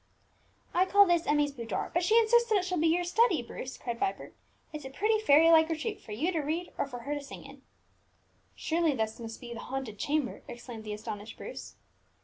"I call this Emmie's boudoir; but she insists that it shall be your study, Bruce," cried Vibert. "It's a pretty fairy like retreat for you to read or for her to sing in." "Surely this must be the haunted chamber!" exclaimed the astonished Bruce.